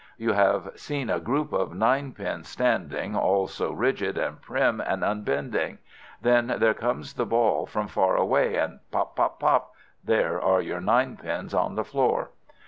You have seen a group of nine pins standing, all so rigid, and prim, and unbending. Then there comes the ball from far away and pop, pop, pop—there are your nine pins on the floor.